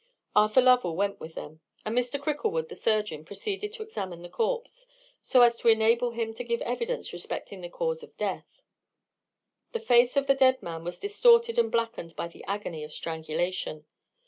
Arthur Lovell went with them; and Mr. Cricklewood, the surgeon, proceeded to examine the corpse, so as to enable him to give evidence respecting the cause of death. The face of the dead man was distorted and blackened by the agony of strangulation.